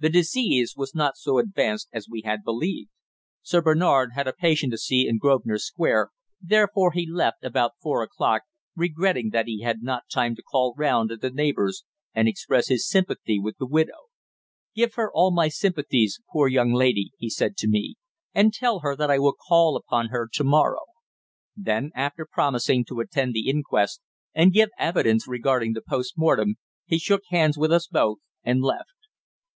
The disease was not so advanced as we had believed. Sir Bernard had a patient to see in Grosvenor Square; therefore he left at about four o'clock, regretting that he had not time to call round at the neighbour's and express his sympathy with the widow. "Give her all my sympathies, poor young lady," he said to me. "And tell her that I will call upon her to morrow." Then, after promising to attend the inquest and give evidence regarding the post mortem, he shook hands with us both and left.